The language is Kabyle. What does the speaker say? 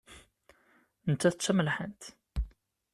Nettat d tamelḥant.